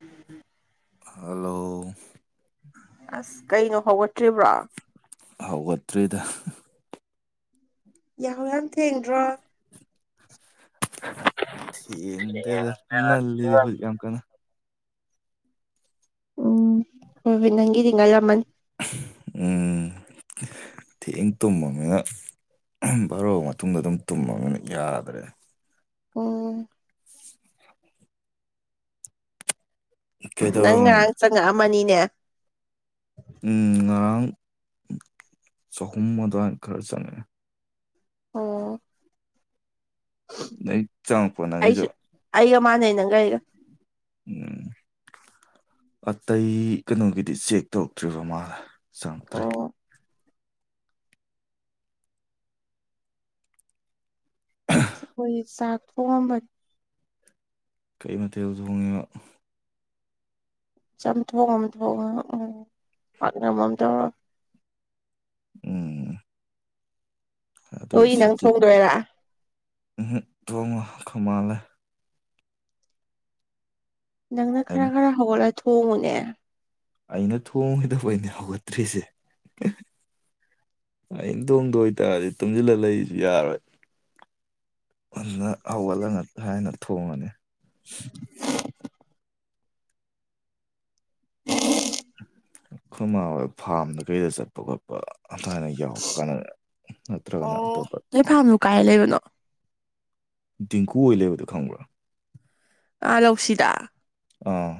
ꯎꯝ hello ꯑꯁ ꯀꯩꯅꯣ ꯍꯧꯒꯠꯇ꯭ꯔꯤꯕ꯭ꯔꯥ ꯍꯧꯒꯠꯇ꯭ꯔꯤꯗ ꯌꯥꯍꯧ ꯌꯥꯝ ꯊꯦꯡꯗ꯭ꯔꯣ ꯊꯦꯡꯗꯗ ꯉꯜꯂꯤꯗꯤ ꯍꯧꯖꯤꯛ ꯌꯥꯝ ꯀ ꯎꯝ ꯍꯣꯏ ꯅꯪꯒꯤꯗꯤꯉꯥꯏ ꯌꯥꯝꯃꯟ ꯎꯝ ꯊꯦꯡ ꯇꯨꯝꯃꯅꯤꯅ ꯚꯕꯥꯔꯣꯛꯑ ꯃꯇꯨꯡꯗ ꯑꯗꯨꯝ ꯇꯨꯝꯃꯅꯤꯅ ꯌꯥꯗ꯭ꯔꯦ ꯑꯣ ꯅꯪ ꯀꯩꯗꯧꯔꯝꯃꯤꯅꯣ ꯉꯔꯥꯡ ꯆꯪꯉꯛꯑꯃꯅꯤꯅꯦ ꯎꯝ ꯉꯔꯥꯡ ꯆꯍꯨꯝ ꯑꯗꯨꯋꯥꯏ ꯈꯔ ꯆꯪꯉꯛꯑꯦ ꯑꯣ ꯅ ꯆꯪꯉꯛꯄ ꯅꯪꯒꯤꯁꯨ ꯃꯥꯅꯦ ꯅꯪꯒ ꯑꯩꯒ ꯎꯝ ꯑꯇꯩ ꯀꯩꯅꯣꯒꯤꯗꯤ ꯆꯦꯛ ꯇꯧꯔꯛꯇ꯭ꯔꯤꯕ ꯃꯥꯂ ꯁꯝꯇ꯭ꯔꯤ ꯑꯣ ꯑꯩꯈꯣꯏ ꯆꯥꯛ ꯊꯣꯡꯑꯝꯕꯅꯤ ꯀꯔꯤ ꯃꯇꯊꯦꯜ ꯊ ꯍꯣꯡꯉꯤꯕ ꯆꯥꯝꯊꯣꯛꯝꯊꯣꯛ ꯎꯝ ꯄꯥꯛꯅꯃꯝ ꯇꯧꯔ ꯎꯝ ꯅꯣꯏ ꯅꯪ ꯊꯣꯡꯗꯣꯏꯔ ꯎ ꯇ ꯋꯥ ꯀꯃꯂꯦ ꯅꯪꯅ ꯈꯔ ꯈꯔ ꯍꯧꯒꯠꯂ ꯊꯣꯡꯉꯨꯅꯦ ꯑꯩꯅ ꯊꯣꯡꯈꯤꯗꯕ ꯑꯣꯏꯅ ꯍꯧꯒꯠꯇ꯭ꯔꯤꯁꯦ ꯑꯤꯡꯇꯣꯡꯗ ꯑꯣꯏꯇꯥꯔꯗꯤ ꯇꯨꯝꯁꯤꯜꯂ ꯂꯩꯁꯨ ꯌꯥꯔꯣꯏ ꯍꯧꯒꯠꯂꯒ ꯍꯥꯏꯅ ꯊꯣꯡꯉꯅꯤ ꯈꯨꯃ ꯐꯥꯔꯝꯗ ꯀꯩꯗ ꯆꯠꯄ ꯈꯣꯠꯄ ꯑꯐꯅ ꯌꯥꯎꯔꯛꯄ ꯀꯥꯟ ꯅꯠꯇ꯭ꯔꯒꯅ ꯑꯣ ꯑꯇꯣꯞꯄ ꯅꯣꯏ ꯐꯥꯔꯝꯗꯨ ꯀꯥꯏ ꯂꯩꯕꯅꯣ ꯗꯤꯡꯀꯨ ꯑꯣꯏ ꯂꯩꯕꯗꯨ ꯈꯪꯕ꯭ꯔꯥ ꯑꯥ ꯂꯧꯁꯤꯗ ꯑꯥ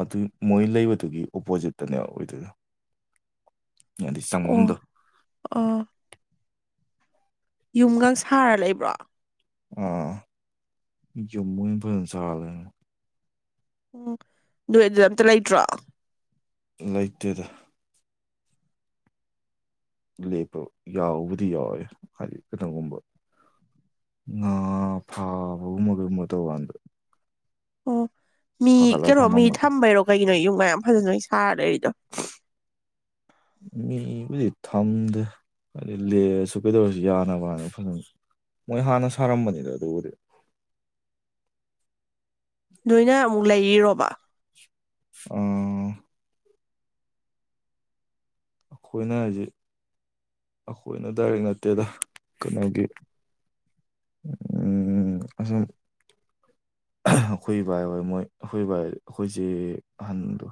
ꯑꯗꯨꯏ ꯃꯣꯏ ꯂꯩꯕꯗꯨꯒꯤ ꯑꯣꯄꯣꯖꯤꯠꯇꯅꯦ ꯑꯣꯏꯗꯣꯏꯔ ꯌꯥꯗꯤ ꯑꯣ ꯆꯪꯃꯝꯗꯣ ꯑꯣ ꯌꯨꯝꯒ ꯁꯥꯔ ꯂꯩꯕ꯭ꯔꯣ ꯑ ꯌꯨꯝ ꯑꯣꯏꯅꯁꯂꯅ [inaudible] ꯎꯝ ꯅꯣꯏ ꯑꯗꯨꯗ ꯑꯝꯇ ꯂꯩꯇ꯭ꯔꯣ ꯂꯩꯇꯦꯗ ꯂꯦꯞꯄ ꯌꯥꯎꯕꯨꯗꯤ ꯌꯥꯎꯋꯦ ꯍꯥꯏꯗꯤ ꯀꯅꯣꯒꯨꯝꯕ ꯉ ꯐꯥꯕꯝꯃꯒꯨꯝꯕ ꯇꯧ ꯋꯥꯗ ꯑꯣ ꯃꯤ ꯀꯩꯅꯣ ꯃꯤ ꯊꯝꯃꯝꯕ ꯊꯝꯕꯩꯔꯣ ꯀꯩꯒꯤꯅꯣꯨꯝ ꯃꯌꯥꯝ ꯐꯖꯅꯣꯏ ꯁꯥꯔꯔꯤꯗꯣ ꯃꯤꯕꯨꯗꯤ ꯊꯝꯗꯦ ꯍꯥꯏꯗꯤ ꯂꯔꯁꯨ ꯀꯩꯗꯧꯔꯁꯨ ꯌꯥꯅ ꯋꯥꯅꯤ ꯐꯖꯅ ꯃꯣꯏ ꯍꯥꯟꯅ ꯁꯥꯔꯝꯕꯅꯤꯗ ꯑꯗꯨꯕꯨꯗꯤ ꯅꯣꯏꯅ ꯑꯃꯨꯛ ꯂꯩꯔꯤꯔꯣꯕꯥ ꯑꯝ ꯑꯩꯈꯣꯏꯅ ꯍꯧꯖꯤꯛ [inaudible] ꯑꯩꯈꯣꯏꯅ ꯗꯥꯏꯔꯦꯛ ꯅꯠꯇꯦꯗ ꯀꯩꯅꯒꯤ ꯎꯝ ꯑꯁꯝ ꯑꯩꯈꯣꯏ ꯕꯥꯏ ꯍꯣꯏ ꯃꯣꯏ ꯑꯩꯈꯣꯏ ꯕꯥꯏ ꯑꯩꯈꯣꯏꯁꯦ ꯑꯍꯟꯗꯣ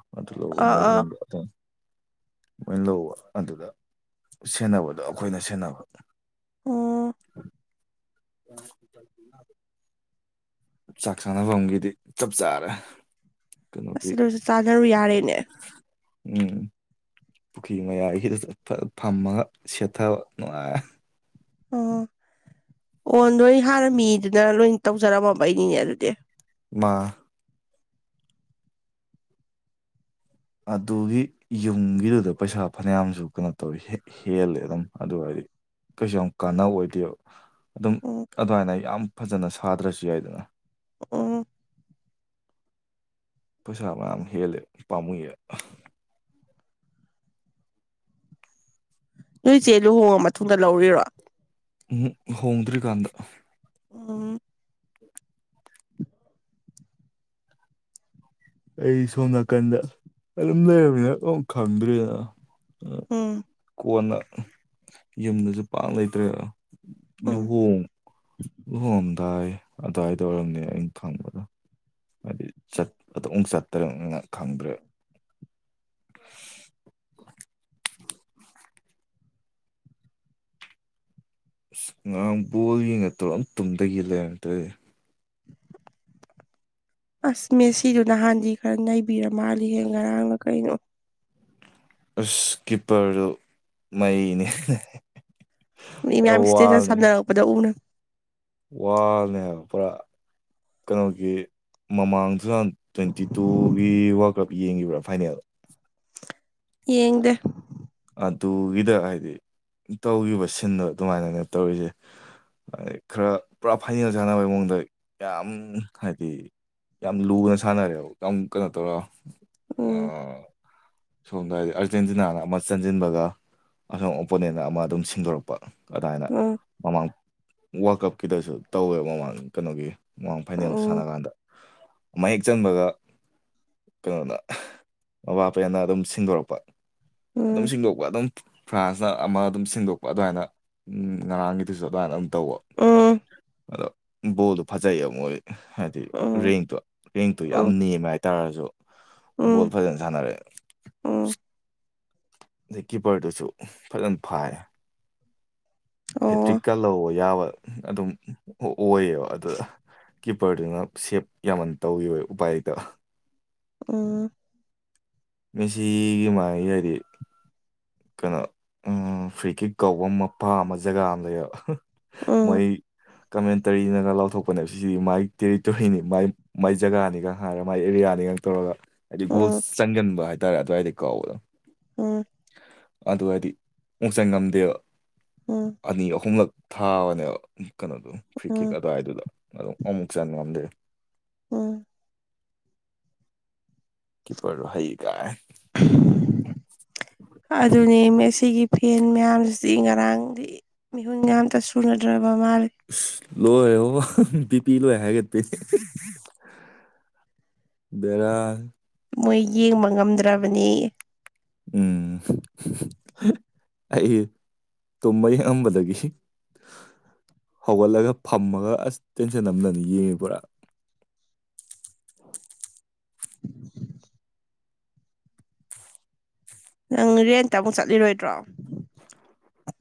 ꯑꯥ ꯑꯥ [inaudible] ꯂꯣꯏ ꯂꯧꯕ ꯑꯗꯨꯗ ꯁꯦꯟꯅꯕꯗꯣ ꯑꯩꯈꯣꯏꯅ ꯁꯦꯟꯅꯕ ꯑꯣ [inaudible] ꯆꯥꯛ ꯈꯥꯟꯅꯐꯝꯒꯤꯗꯤ ꯆꯞ ꯆꯥꯔꯦ ꯑꯁ ꯀꯩꯅꯣꯒꯤ ꯑꯗꯨꯁꯨ ꯆꯥꯖꯔꯨ ꯌꯥꯔꯦꯅꯦ ꯎꯝ ꯄꯨꯈ꯭ꯔꯤ ꯃꯌꯥꯏꯁꯤꯗ ꯐꯝꯃꯒ ꯁꯦꯠꯊꯕ ꯅꯨꯡꯉꯥꯏ ꯑꯣ ꯑꯣ ꯅꯣꯏ ꯍꯥꯟꯔꯝꯃꯤꯗꯨꯅ ꯂꯣꯏ ꯇꯧꯖꯔꯝꯃꯕꯩ ꯅꯤꯅꯦ ꯑꯗꯨꯗꯤ ꯃꯥ ꯑꯗꯨꯒꯤ ꯌꯨꯝꯒꯤꯗꯨꯗ ꯄꯩꯁꯥ ꯐꯅꯌꯥꯝꯁꯨ ꯀꯩꯅꯣ ꯇꯧꯋꯤ ꯍꯦꯜꯂꯦ ꯑꯗꯨꯝ ꯑꯗꯨ ꯑꯣꯏꯗꯤ ꯀꯩꯁꯨ ꯌꯥꯝ ꯀꯥꯟꯅꯕ ꯑꯣꯏꯗꯦꯕ ꯑꯗꯨꯝ ꯎꯝ ꯑꯗꯨꯃꯥꯏꯅ ꯌꯥꯝ ꯐꯖꯅ ꯁꯥꯗ꯭ꯔꯁꯨ ꯌꯥꯏꯗꯅ ꯑꯣ ꯄꯩꯁꯥ ꯃꯌꯥꯝ ꯍꯦꯜꯂꯦ ꯄꯥꯝꯃꯨꯌꯦ ꯅꯣꯏꯁꯦ ꯂꯨꯍꯣꯡꯉ ꯃꯇꯨꯡꯗ ꯂꯧꯔꯤꯔꯣ ꯎꯝ ꯍꯣꯡꯗ꯭ꯔꯤꯀꯥꯟꯗ ꯑꯣ [inaudible] ꯑꯩ ꯁꯣꯝ ꯅꯥꯀꯟꯗ ꯑꯗꯨꯝ ꯂꯩꯔꯕꯃꯤꯅ ꯈꯪꯗ꯭ꯔꯤꯗ ꯎꯝ ꯀꯣꯟꯅ ꯌꯨꯝꯗꯁꯨ ꯄꯥꯛ ꯂꯩꯇ꯭ꯔꯦ ꯎꯝ ꯂꯨꯍꯣꯡ ꯂꯨꯍꯣꯝ ꯑꯗꯥꯏ ꯑꯗꯥꯏꯗ ꯑꯣꯏꯔꯝꯅꯦ ꯑꯩꯅ ꯈꯪꯕꯗꯣ ꯍꯥꯏꯗꯤ ꯑꯗꯨ ꯑꯃꯨꯛ ꯆꯠꯇ꯭ꯔꯦꯅꯤꯅ ꯈꯪꯗ꯭ꯔꯦ ꯑꯁ ꯉꯥꯡ ꯕꯣꯜ ꯌꯦꯡꯉ ꯇꯧꯔ ꯇꯨꯝꯗꯒꯤ ꯂꯩꯔꯝꯗꯔꯤ ꯑꯁ ꯃꯦꯁꯤꯗꯣ ꯅꯍꯥꯟꯗꯤ ꯈꯔ ꯅꯩꯕꯤꯔ ꯃꯥꯜꯂꯤꯍꯦ ꯉꯔꯥꯡꯂ ꯀꯩꯅꯣ ꯏꯁ ꯀꯤꯞꯄꯔꯗꯨ ꯃꯩꯅꯦ ꯃꯤ ꯃꯌꯥꯝ ꯏꯁꯇꯦꯗ ꯁꯝꯅꯔꯛꯄꯗ ꯎꯅ ꯋꯥꯅꯦ ꯍꯥꯏꯕ ꯄꯨꯔꯥ ꯀꯩꯅꯣꯒꯤ ꯃꯃꯥꯡꯗꯨ ꯍꯥꯟ ꯇ꯭ꯋꯦꯟꯇꯤ ꯇꯨꯒꯤ ꯋꯥꯔꯜ ꯀꯞ ꯌꯦꯡꯕ꯭ꯔꯥ ꯐꯥꯏꯅꯦꯜꯗ ꯌꯦꯡꯗꯦ ꯑꯗꯨꯒꯤꯗ ꯍꯥꯏꯗꯤ ꯇꯧꯈꯤꯕ ꯁꯤꯟꯕ ꯑꯗꯨꯃꯥꯏꯅꯅꯦ ꯇꯧꯔꯤꯁꯦ ꯈꯔ ꯄꯨꯔꯥ ꯐꯥꯏꯅꯦꯜ ꯁꯥꯟꯅꯕ ꯃꯑꯣꯡꯗ ꯌꯥꯝ ꯍꯥꯏꯗꯤ ꯌꯥꯝ ꯂꯨꯅ ꯁꯥꯟꯅꯔꯦꯕ ꯌꯥꯝ ꯀꯩꯅꯣ ꯇꯧꯔꯒ ꯎꯝ ꯁꯣ ꯑꯔꯖꯦꯟꯇꯅꯥꯅ ꯆꯟꯁꯤꯟꯕꯒ ꯑꯁꯣꯝ ꯑꯣꯄꯣꯅꯦꯟ ꯑꯃ ꯑꯗꯨꯝ ꯁꯤꯡꯗꯣꯔꯛꯄ ꯑꯗꯨꯃꯥꯏꯅ ꯎꯝ ꯃꯃꯥꯡ ꯋꯥꯔꯜ ꯀꯞꯀꯤꯗꯁꯨ ꯇꯧꯋꯦꯕ ꯃꯃꯥꯡ ꯀꯩꯅꯣꯒꯤ ꯃꯃꯥꯡ ꯐꯥꯏꯅꯦꯜꯗ ꯁꯥꯟꯅ ꯎꯝ ꯀꯥꯟꯗ ꯃꯌꯦꯛ ꯆꯪꯕꯒ ꯀꯩꯅꯣꯗ ꯑꯕꯥꯄꯌꯥꯅ ꯑꯗꯨꯝ ꯁꯤꯦꯡꯗꯣꯔꯛꯄ ꯑꯗꯨꯝ ꯎꯝ ꯁꯦꯡꯗꯣꯛꯄ ꯑꯗꯨꯝ ꯐ꯭ꯔꯥꯟꯁꯅ ꯑꯃ ꯑꯗꯨꯝ ꯁꯦꯡꯗꯣꯛꯄ ꯑꯗꯨꯃꯥꯏꯅ ꯉꯔꯥꯡꯒꯤꯗꯨꯁꯨ ꯑꯗꯨꯃꯥꯏꯅ ꯑꯗꯨꯝ ꯇꯧꯕ ꯎꯝ ꯑꯗꯣ ꯕꯣꯜꯗꯣ ꯐꯖꯩꯌꯦꯕ ꯃꯣꯏ ꯍꯥꯏꯗꯤ ꯎꯝ ꯔꯦꯡꯇꯣ ꯔꯦꯡꯇꯣ ꯌꯥꯝ ꯎꯝ ꯅꯦꯝꯃꯦ ꯍꯥꯏꯇꯥꯔꯁꯨ ꯣ ꯎꯝ ꯐꯖꯦꯟ ꯁꯅꯔꯦ ꯎꯝ ꯑꯗꯩ ꯀꯤꯞꯄꯔꯗꯨꯁꯨ ꯐꯖꯅ ꯐꯥꯏ ꯑꯣ ꯍꯦꯇ꯭ꯔꯤꯛꯀ ꯂꯧꯕ ꯌꯥꯕ ꯑꯗꯨꯝ ꯑꯣꯏꯌꯦꯕ ꯑꯗꯨꯗ ꯀꯤꯞꯄꯔꯗꯨꯅ ꯁꯦꯞ ꯌꯥꯝꯃꯟ ꯇꯧꯋꯕ ꯎꯄꯥꯏꯗ ꯎ [unintelligible] [inaudible] ꯃꯁꯤꯒꯤ ꯃꯥꯏ ꯍꯥꯏꯗꯤ ꯀꯩꯅꯣ ꯐ꯭ꯔꯤ ꯀꯛ ꯀꯧꯕ ꯃꯄꯥ ꯑꯃ ꯖꯒꯥ ꯑꯃ ꯂꯩꯌꯦꯕ ꯎꯝ ꯃꯣꯏ ꯀꯃꯦꯟꯇꯔꯤꯅꯒ ꯂꯥꯎꯊꯣꯛꯄꯅꯦꯕ ꯁꯤꯗꯤ ꯃꯥꯏ ꯇꯦꯔꯤꯇꯣꯔꯤꯅꯤ ꯃꯥꯏ ꯃꯥꯏ ꯖꯒꯥꯅꯤꯒ ꯍꯥꯏꯔ ꯃꯥꯏ ꯑꯦꯔꯤꯌꯥꯅꯤꯒ ꯇꯧꯔꯒ ꯍꯥꯏꯗꯤ ꯒꯣꯜ ꯎꯝ ꯆꯪꯒꯟꯕ ꯍꯥꯏꯇꯥꯔꯦ ꯑꯗꯨꯋꯥꯏꯗꯩ ꯀꯥꯎꯕꯗꯣ ꯎꯝ ꯑꯗꯨ ꯍꯥꯏꯗꯤ ꯃꯨꯛ ꯆꯪ ꯉꯝꯗꯦꯕ ꯎꯝ ꯑꯅꯤ ꯑꯍꯨꯝꯂꯛ ꯊꯥꯕꯅꯦꯕ ꯀꯩꯅꯣꯗꯣ ꯐ꯭ꯔꯤ ꯀꯦꯛ ꯎꯝ ꯑꯗꯨꯋꯥꯏꯗꯨꯗ ꯑꯗꯨꯝ ꯑꯃꯨꯛ ꯆꯟ ꯉꯝꯗꯦ ꯎꯝ ꯀ ꯄꯔꯚꯏ ꯀꯑ ꯖꯤꯗꯤ ꯉꯔꯥꯡꯗꯤ ꯃꯤꯍꯨꯟ ꯌꯥꯝꯇ ꯁꯨꯅꯗ꯭ꯔꯕ ꯃꯥꯜꯂꯤ ꯕꯤꯄꯤ ꯂꯣꯏ ꯍꯥꯏꯒꯠꯠꯇꯦ ꯕꯦꯔꯥ ꯃꯣꯏ ꯌꯦꯡꯕ ꯉꯝꯗ꯭ꯔꯕꯅꯦ ꯎꯝ ꯇꯨꯝꯕꯩ ꯑꯝꯕꯗꯒꯤ ꯍꯧꯒꯠꯂꯒ ꯐꯝꯃꯒ ꯑꯁ ꯇꯦꯟꯁꯟ ꯑꯃꯗꯅꯤ ꯌꯦꯡꯉꯤ ꯄꯨꯔꯥ [unintelligible] [inaudible] ꯅꯪꯦꯟꯇ ꯑꯃꯨꯛ ꯆꯠꯂꯤꯔꯣꯏꯗ꯭ꯔꯣ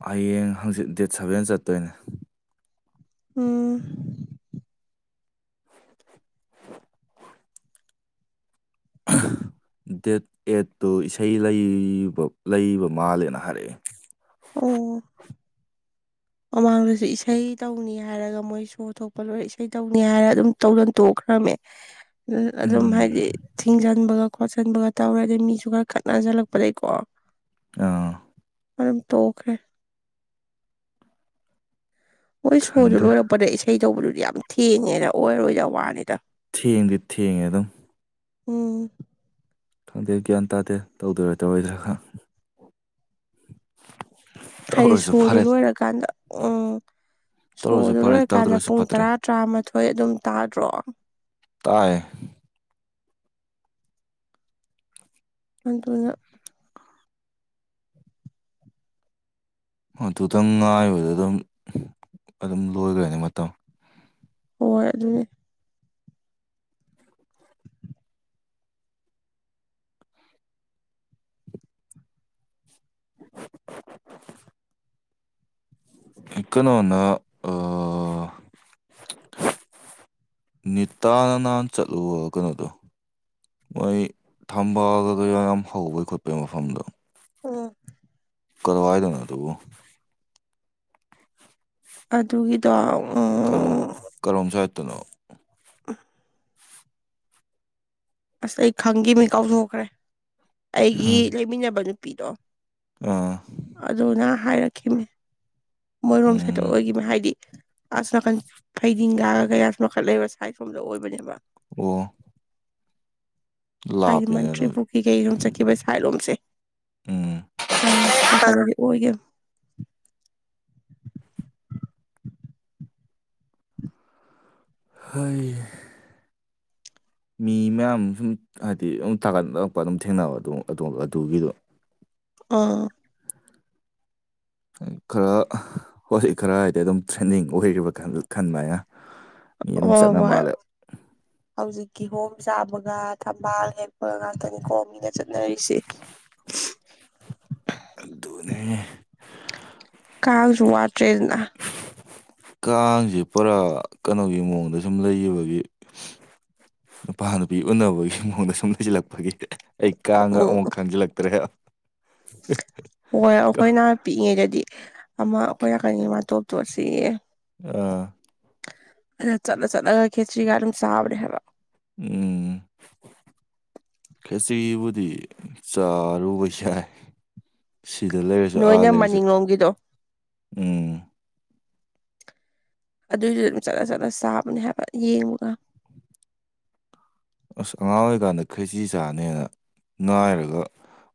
ꯍꯌꯦꯡ ꯍꯪꯆꯤꯠ ꯗꯦꯠ ꯁꯚꯦꯟ ꯆꯠꯇꯣꯏꯅꯦ ꯎꯝ [unintelligible] [inaudible] ꯗꯦꯠ ꯑꯦꯠꯇꯨ ꯏꯁꯩ ꯂꯩꯕ ꯂꯩꯕ ꯃꯥꯜꯂꯦꯅ ꯍꯥꯏꯔꯛꯑꯦ ꯑꯣ ꯃꯃꯥꯡꯗꯁꯨ ꯏꯁꯩ ꯇꯧꯅꯤ ꯍꯥꯏꯔꯒ ꯃꯣꯏ ꯁꯣꯔ ꯊꯣꯛꯄ ꯂꯣꯏꯔ ꯏꯁꯩ ꯇꯧꯅꯤ ꯍꯥꯏꯔꯒ ꯑꯗꯨꯝ ꯇꯧꯗꯅ ꯇꯣꯛꯈ꯭ꯔꯦ ꯈꯝꯃꯦ ꯑꯗꯨꯝ ꯎꯝ ꯍꯥꯏꯗꯤ ꯊꯤꯡꯖꯟꯕꯒ ꯈꯣꯠꯆꯟꯕꯒ ꯇꯧꯔꯦ ꯑꯗꯩ ꯃꯤꯁꯨ ꯈꯔ ꯈꯠꯅꯖꯜꯂꯛꯄꯗꯒꯤꯀꯣ ꯑꯥ ꯑꯗꯨꯝ ꯇꯣꯛꯈꯦ ꯃꯣꯏ ꯁꯣꯗꯨ ꯈꯪꯗꯦ ꯂꯣꯏꯔꯛꯄꯗ ꯏꯁꯩ ꯇꯧꯕꯗꯨꯗꯤ ꯌꯥꯝ ꯊꯦꯡꯉꯦꯅ ꯑꯣꯏꯔꯣꯏꯗ ꯋꯥꯅꯤꯗ ꯊꯦꯡꯗꯤ ꯊꯦꯡ ꯑꯦꯗꯝꯝ ꯎꯝ ꯈꯪꯗꯦ ꯒ꯭ꯌꯥꯟ ꯇꯥꯗꯦ ꯇꯧꯗꯣꯏꯔ ꯇꯧꯔꯣꯏꯗꯔꯥ ꯈ ꯍꯥꯏꯗꯤ ꯁꯣꯗꯨꯣ ꯂꯣꯏꯔꯀꯥꯟꯗ ꯎꯝ ꯇꯧꯔꯁꯨ ꯁꯣꯗꯨ ꯐꯔꯦ ꯂꯣꯏꯔꯀꯥꯟꯗ ꯇꯧꯗ꯭ꯔꯁꯨ ꯄꯨꯡ ꯐꯠꯇ꯭ꯔꯦ ꯇꯔꯥ ꯇꯔꯥꯃꯥꯊꯣꯏ ꯑꯗꯨꯝ ꯇꯥꯗ꯭ꯔꯣ ꯇꯥꯏ ꯑꯗꯨꯗꯨꯅ ꯇꯪ ꯉꯥꯏꯕꯗ ꯑꯗꯨꯝ ꯑꯗꯨꯝ ꯂꯣꯏꯈ꯭ꯔꯅꯤ ꯃꯇꯝ ꯍꯣꯏ ꯑꯗꯨꯗꯤ ꯏꯀꯅꯣꯅ ꯑ ꯅꯤꯇꯥꯅ ꯅꯍꯥꯟ ꯆꯠꯂꯨꯒꯅꯣꯗꯣ ꯃꯣꯏ ꯊꯝꯕꯑꯒ ꯌꯥꯝ ꯍꯧꯕꯩ ꯈꯣꯠꯄꯩ ꯃꯐꯝꯗꯣ ꯎ ꯀꯋꯥꯏꯗꯅ ꯇꯨꯕꯨ ꯑꯗꯨꯒꯤꯗꯣ ꯎꯝ ꯀꯔꯣꯝ ꯁꯥꯏꯠꯇꯅꯣ ꯑ ꯑꯁ ꯑꯩ ꯈꯪꯒꯤ ꯃꯤ ꯀꯥꯎꯊꯣꯛꯈ꯭ꯔꯦ ꯑꯩꯒꯤ ꯂꯩꯃꯤꯟꯅꯕ ꯅꯨꯄꯤꯗꯣ ꯑꯥ ꯑꯗꯨꯅ ꯍꯥꯏꯔꯛꯈꯤꯅꯤ ꯃꯣꯏꯔꯣꯝ ꯁꯠꯇ ꯎꯝ ꯑꯣꯏꯈꯤꯕꯅꯤ ꯍꯥꯏꯗꯤ ꯑꯁ ꯅꯥꯀꯟ ꯐꯩꯗꯤꯡ ꯒ ꯀꯌꯥꯁꯨ ꯃꯈꯠ ꯂꯩꯕ ꯁꯥꯏꯠ ꯁꯣꯝꯗ ꯑꯣꯏꯕꯅꯦꯕ ꯑꯣ ꯍꯥꯏꯗꯤ ꯂꯥꯞꯄꯦꯅꯦ ꯃꯟꯇ꯭ꯔꯤ ꯑꯗꯨ ꯄꯨꯈ꯭ ꯀꯩ ꯁꯣꯝ ꯆꯠꯈꯤꯕ ꯁꯥꯏꯂꯣꯝꯁꯦ ꯎꯝ ꯑꯥ ꯔꯥꯗꯗꯤꯦ ꯎ ꯍꯣꯏ ꯃꯤ ꯃꯌꯥꯝ ꯁꯨꯝ ꯍꯥꯏꯗꯤ ꯊꯥꯒꯠꯔꯛꯄ ꯑꯗꯨꯝ ꯊꯦꯡꯅꯕ ꯑꯗꯨꯝ ꯑꯗꯨꯒꯤꯗꯣ ꯑꯥ ꯈꯔ ꯍꯧꯖꯤꯛ ꯈꯔ ꯍꯥꯏꯗꯤ ꯑꯗꯨꯝ ꯇ꯭ꯔꯦꯟꯗꯤꯡ ꯑꯣꯏꯔꯤꯕ ꯈꯟꯕ ꯑꯅ ꯃꯤ ꯑꯗꯨꯝ ꯆꯉ ꯃꯥꯂꯦ ꯍꯧꯖꯤꯛ ꯀꯤꯍꯣꯝ ꯆꯥꯕꯒ ꯊꯝꯕꯥꯜ ꯍꯦꯛꯄꯒ ꯉꯥꯛꯇꯅꯤ ꯀꯣꯝ ꯃꯤꯅ ꯆꯠꯅꯔꯤꯁꯦ ꯑꯗꯨꯣꯅꯦ ꯀꯥꯜꯔꯨ ꯋꯥꯇ꯭ꯔꯦꯖꯅꯥ ꯀꯥꯡꯁꯦ ꯄꯨꯔꯥ ꯀꯩꯅꯣꯒꯤ ꯃꯑꯣꯡꯗ ꯁꯨꯝ ꯂꯩꯈꯤꯕꯒꯤ ꯅꯨꯄꯥ ꯅꯨꯄꯤ ꯎꯅꯕꯒꯤ ꯃꯑꯣꯡꯗ ꯁꯨꯝ ꯍꯩꯁꯤꯜꯂꯛꯄꯒꯤ ꯑꯩ ꯀꯥꯡꯒ ꯎꯝ ꯑꯃꯨꯛ ꯈꯟꯖꯤꯜꯂꯛꯇ꯭ꯔꯦ ꯍꯣꯏ ꯑꯩꯈꯣꯏꯅ ꯄꯤꯛꯏꯉꯩꯗꯗꯤ ꯑꯃ ꯑꯩꯈꯣꯏꯥꯛꯀꯤ ꯃꯥ ꯇꯣꯞ ꯇꯣꯠꯁꯦ ꯁꯤ ꯑꯥ ꯑꯗꯣ ꯆꯠꯂ ꯆꯠꯂꯒ ꯈꯦꯆꯔꯤ ꯑꯗꯨꯝ ꯁꯕꯅꯦ ꯍꯥꯏꯕ ꯎꯝ ꯈꯔ꯭ꯦꯆꯤꯕꯨꯗꯤ ꯆꯥꯔꯨꯕ ꯌꯥꯏ ꯁꯤꯗ ꯂꯩꯔꯁꯨ ꯑꯥ ꯅꯣꯏꯅ ꯂꯩꯔꯁꯨ ꯃꯅꯤꯡꯂꯣꯝꯒꯤꯗꯣ ꯎꯝ ꯑꯗꯨꯏꯗꯨꯗ ꯑꯗꯨꯝ ꯆꯂ ꯆꯠꯂ ꯆꯥꯕꯅꯦ ꯍꯥꯏꯕ ꯌꯦꯡꯉꯨꯒ ꯑ ꯑꯉꯥꯡ ꯑꯣꯏꯔꯤꯀꯥꯟꯗ ꯈꯦꯆꯤ ꯆꯥꯅꯤꯅ ꯅꯥꯏꯔꯒ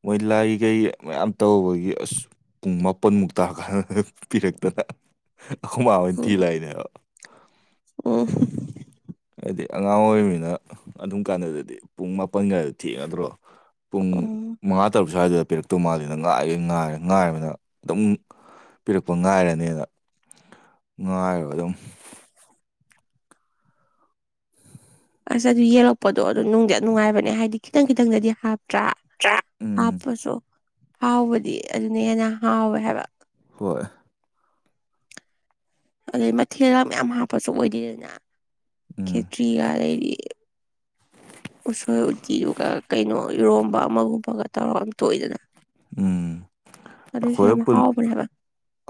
ꯃꯣꯏ ꯂꯥꯏꯍꯩ ꯃꯌꯥꯝ ꯇꯧꯕꯒꯤ ꯑꯁ ꯄꯨꯡ ꯃꯥꯄꯟꯃꯨꯛ ꯇꯥ ꯀꯥꯟꯗ ꯄꯤꯔꯛꯇꯅ ꯑꯩꯈꯣꯏ ꯃꯥ ꯍꯣꯏ ꯊꯤ ꯂꯛꯏꯅꯦ ꯍꯥꯏꯕꯥ ꯑꯣ ꯍꯥꯏꯗꯤ ꯑꯉꯥꯡ ꯑꯣꯏꯔꯤꯃꯤꯅ ꯑꯗꯨꯝ ꯀꯥꯟꯗꯨꯗꯗꯤ ꯄꯨꯡ ꯃꯥꯄꯟꯒꯥꯏꯗ ꯊꯦꯡꯉꯗ꯭ꯔꯣ ꯄꯨꯡ ꯎꯝ ꯃꯉꯥ ꯇꯔꯨꯛ ꯁ꯭ꯋꯥꯏꯗꯨꯗ ꯄꯤꯔꯛꯇꯧ ꯃꯥꯜꯂꯤꯅ ꯉꯥꯏꯔꯦ ꯉꯥꯏꯔꯦ ꯉꯥꯏꯕꯅ ꯑꯗꯨꯝ ꯄꯤꯔꯛꯄ ꯉꯥꯏꯔꯅꯤꯅ ꯉꯥꯏꯔꯒ ꯑꯗꯨꯝ ꯑꯁ ꯑꯗꯨ ꯌꯦꯛꯂꯛꯄꯗꯣ ꯑꯗꯨ ꯅꯨꯡꯗꯤ ꯌꯥꯝ ꯅꯨꯡꯉꯥꯏꯕꯅꯦ ꯍꯥꯏꯗꯤ ꯈꯤꯇꯪ ꯈꯤꯇꯪꯗꯗꯤ ꯍꯥꯞꯄ ꯇ꯭ꯔꯥ ꯎꯝ ꯍꯥꯞꯄꯁꯨ ꯍꯥꯎꯕꯗꯤ ꯑꯗꯨꯅ ꯍꯦꯟꯅ ꯍꯥꯎꯋꯦ ꯍꯥꯏꯕ ꯍꯣꯏ ꯑꯗꯩ ꯃꯊꯦꯜꯒ ꯃꯌꯥꯝ ꯍꯥꯞꯄꯁꯨ ꯑꯣꯏꯗꯦꯗꯅ ꯎꯝ ꯈꯦꯇ꯭ꯔꯤꯒ ꯑꯗꯩꯗꯤ ꯎꯁꯣꯏ ꯎꯇꯤꯗꯨꯒ ꯀꯩꯅꯣ ꯏꯔꯣꯝꯕ ꯑꯃꯒꯨꯝꯕꯒ ꯇꯧꯔꯒ ꯇꯣꯏꯗꯅ ꯎꯝ ꯑꯩꯈꯣꯏ ꯑꯥꯟ ꯍꯥꯎꯕꯅꯦꯕ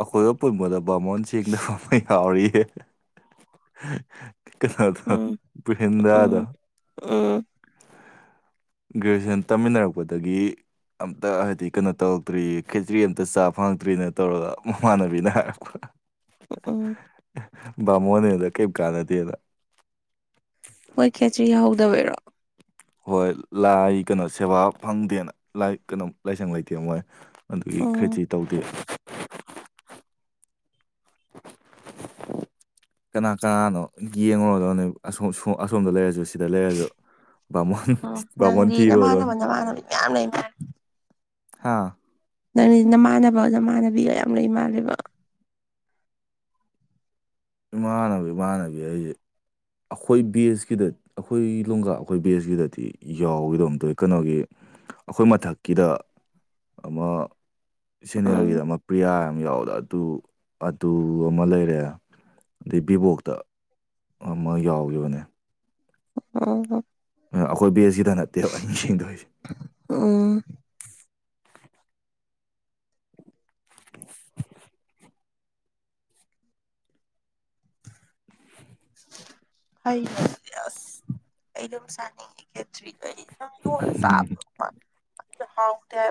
ꯑꯈꯣꯏ ꯄꯨꯟꯕꯗ ꯕꯥꯃꯣꯟ ꯁꯦꯡꯗꯕ ꯑꯃ ꯌꯥꯎꯔꯤ ꯀꯩꯅꯣꯗꯣ ꯎꯝ ꯄꯨꯅꯤꯟꯗꯗꯣ ꯎꯝ ꯎꯝ ꯒ꯭ꯔꯦꯖꯨꯑꯦꯁꯟ ꯇꯝꯃꯤꯟꯅꯔꯛꯄꯗꯒꯤ ꯑꯝꯇ ꯍꯥꯏꯗꯤ ꯀꯩꯅꯣ ꯇꯧꯔꯛꯇ꯭ꯔꯤ ꯈꯦꯇ꯭ꯔꯤ ꯑꯃꯇ ꯆꯥꯕ ꯐꯪꯉꯛꯇ꯭ꯔꯤꯅ ꯇꯧꯔꯒ ꯃꯃꯥꯟꯅꯕꯤꯅ ꯍꯥꯏꯔꯛꯄ ꯎꯝ ꯕꯥꯃꯣꯟ ꯅꯦꯅ ꯀꯦꯝ ꯀꯅꯥꯗꯦꯅ ꯃꯣꯏ ꯈꯦꯇ꯭ꯔꯤ ꯌꯥꯍꯧꯗꯕꯩꯔꯣ ꯍꯣꯏ ꯂꯥꯏ ꯀꯩꯅꯣ ꯁꯦꯕꯥ ꯐꯪꯗꯦꯅ ꯂꯥꯏ ꯀꯩꯅꯣ ꯂꯥꯏꯁꯪ ꯂꯩꯇꯦ ꯃꯣꯏ ꯑꯗꯨꯒꯤ ꯎꯝ ꯈꯦꯆꯤ ꯇꯧꯗꯦ [unintelligible] ꯀꯅꯥ ꯀꯅꯥꯅꯣ ꯌꯦꯡꯉꯨꯨꯔꯗꯕꯅꯦꯕ ꯑꯁꯣꯝꯗ ꯂꯩꯔꯁꯨ ꯁꯤ ꯁꯤꯗ ꯂꯩꯔ꯭ꯁꯨ ꯎꯝ ꯕꯥꯃꯣꯟ ꯅꯪꯗꯤ ꯊꯤꯕꯗꯣ ꯅꯃꯥꯟꯅꯕ ꯅꯃꯥꯟꯅꯕꯤ ꯃꯌꯥꯝ ꯂꯩ ꯍꯥꯥ ꯅꯪ ꯅꯃꯥꯟꯅꯕ ꯅꯃꯥꯟꯅꯕꯤꯒ ꯌꯥꯝ ꯂꯩ ꯃꯥꯜꯂꯦꯕ ꯏꯃꯥꯟꯅꯕ ꯏꯃꯥꯟꯅꯕꯤ ꯍꯥꯏꯁꯦ ꯑꯩꯈꯣꯏ ꯕꯦꯁꯀꯤꯗ ꯑꯩꯈꯣꯏ ꯂꯣꯡꯒꯥ ꯑꯩꯈꯣꯏ ꯕꯦꯁꯀꯤꯗꯗꯤ ꯌꯥꯎꯕꯒꯨꯝ ꯇꯧꯋꯤ ꯀꯩꯅꯣꯒꯤ ꯑꯩꯈꯣꯏ ꯃꯊꯛꯀꯤꯗ ꯑꯃ ꯎꯝ ꯁꯦꯅꯦꯔꯒꯤꯗ ꯑꯃ ꯄ꯭ꯔꯤꯌꯥ ꯑꯃ ꯌꯥꯎꯕꯗꯨ ꯑꯗꯨ ꯑꯗꯨ ꯑꯃ ꯂꯩꯔꯦ ꯑꯗꯩ ꯚꯤꯕꯣꯛꯇ ꯑꯃ ꯌꯥꯎꯈꯤꯕꯅꯦ ꯑꯣ ꯑꯩꯈꯣꯏ ꯕꯦꯖꯀꯤꯗ ꯅꯠꯇꯦꯕ ꯑꯩꯅ ꯌꯦꯡꯗꯣꯏꯁꯦ ꯑꯣ [unintelligible] ꯍꯥꯏ ꯑꯁ ꯀꯩꯅꯣꯝ ꯆꯥꯅꯤꯡꯉꯦ ꯑꯝꯇꯥ ꯍꯥꯎꯇꯦ